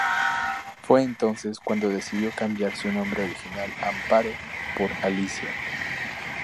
Fue entonces cuando decidió cambiar su nombre original, Amparo, por Alicia.